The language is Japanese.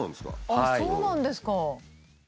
あっそうなんですか！